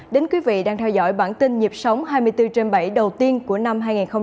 đến quý vị đang theo dõi bản tin nhịp sống hai mươi bốn trên bảy đầu tiên của năm hai nghìn hai mươi bốn